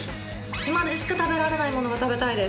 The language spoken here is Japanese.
島でしか食べられないものが食べたいです。